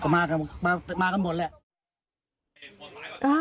มากันหมดแหละ